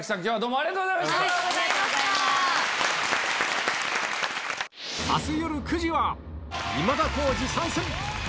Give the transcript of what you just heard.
ありがとうございます。